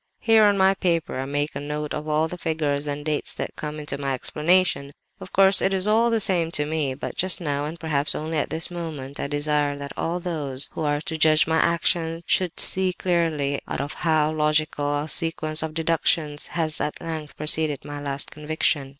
"Here on my paper, I make a note of all the figures and dates that come into my explanation. Of course, it is all the same to me, but just now—and perhaps only at this moment—I desire that all those who are to judge of my action should see clearly out of how logical a sequence of deductions has at length proceeded my 'last conviction.